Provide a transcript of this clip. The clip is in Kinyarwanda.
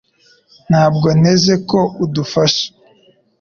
Ntabwo nteze ko udufasha